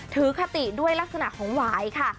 คติด้วยลักษณะของหวายค่ะ